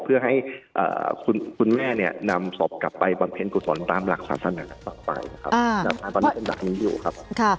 เพื่อให้คุณแม่เนี่ยนำศพกลับไปบังเทศกุศลตามหลักศาสนักศักดิ์ต่อไป